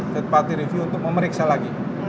food party review untuk memeriksa lagi